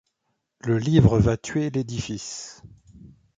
Le livre va tuer l’édifice.